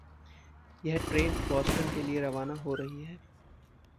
यह train Boston के लिए रवाना हो रही है।